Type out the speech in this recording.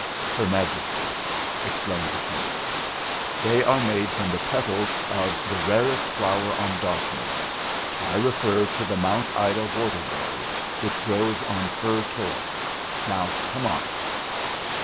"Her Majesty's," explained De Quincey. "They are made from the petals of the rarest THE GRAND SEPTUOR 187 flower on Dartmoor. I refer to the Mount Ida whortleberry which grows on Fur Tor. Now come on."